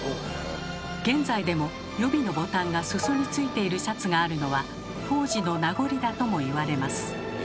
現在でも予備のボタンが裾に付いているシャツがあるのは当時の名残だともいわれます。